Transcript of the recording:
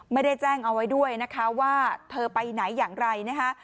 ไม่ได้แจ้งเอาไว้ด้วยนะคะว่าเธอไปไหนอย่างไรนะคะ